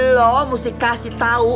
lo mesti kasih tau